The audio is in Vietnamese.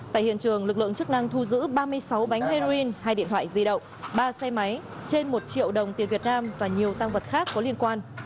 tại hiện trường lực lượng chức năng thu giữ ba mươi sáu bánh heroin hai điện thoại di động ba xe máy trên một triệu đồng tiền việt nam và nhiều tăng vật khác có liên quan